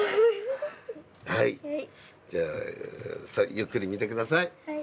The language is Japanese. じゃあゆっくりみてください。